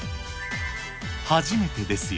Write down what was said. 初めてですよ。